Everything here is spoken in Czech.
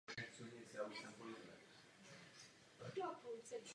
Celá řada fotografů a studií se specializovala na obrázky s orientální tematikou.